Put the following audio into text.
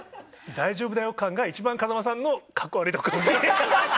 大丈夫だよ感が一番風間さんのカッコ悪いところ。